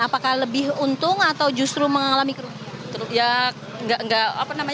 apakah lebih untung atau justru mengalami kerugian